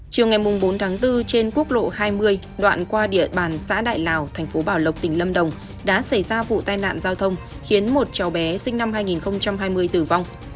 chiều ngày bốn tháng bốn trên quốc lộ hai mươi đoạn qua địa bàn xã đại lào thành phố bảo lộc tỉnh lâm đồng đã xảy ra vụ tai nạn giao thông khiến một cháu bé sinh năm hai nghìn hai mươi tử vong